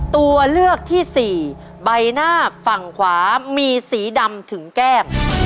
ตัวเลือกที่สี่ใบหน้าฝั่งขวามีสีดำถึงแก้ม